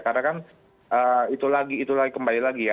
karena kan itu lagi itu lagi kembali lagi ya